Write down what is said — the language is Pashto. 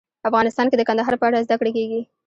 افغانستان کې د کندهار په اړه زده کړه کېږي.